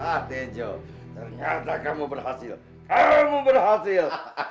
ah tejo ternyata kamu berhasil kamu berhasil